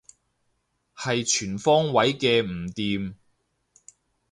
係全方位嘅唔掂